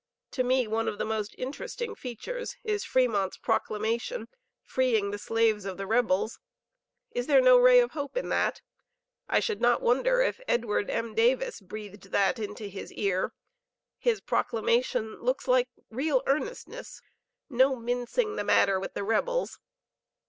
To me one of the most interesting features is Fremont's Proclamation freeing the slaves of the rebels. Is there no ray of hope in that? I should not wonder if Edward M. Davis breathed that into his ear. His proclamation looks like real earnestness; no mincing the matter with the rebels.